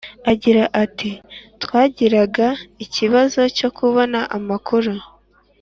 agira ati “twagiraga ikibazo cyo kubona amakuru